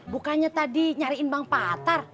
bukannya tadi nyariin bang patar